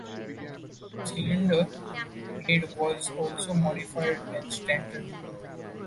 The cylinder head was also modified and strengthened.